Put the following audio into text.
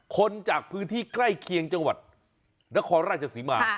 คนจากพื้นที่ใกล้เคียงจังหวัดนครราชศรีมา